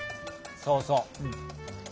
そうそう。